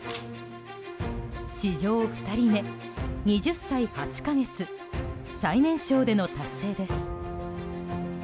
史上２人目、２０歳８か月最年少での達成です。